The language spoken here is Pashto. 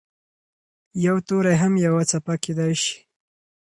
یو توری هم یوه څپه کېدای شي.